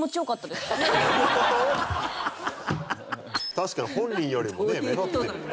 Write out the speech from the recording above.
確かに本人よりもね目立ってるよね。